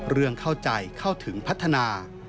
เรื่องเข้าใจเข้าถึงพัฒนา